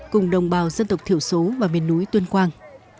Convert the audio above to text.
cùng đồng bào dân tộc thiểu số và miền núi tuyên quang